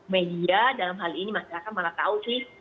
media dalam hal ini masyarakat malah tahu sih